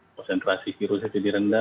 konsentrasi virusnya jadi rendah